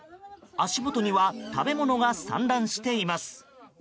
足元には食べ物が散乱しています。